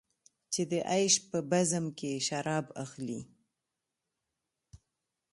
چې د عیش په بزم کې شراب اخلې.